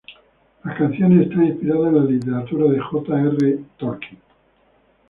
Las canciones están inspiradas en la literatura de J. R. R. Tolkien.